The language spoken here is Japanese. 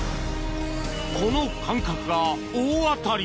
この感覚が大当たり。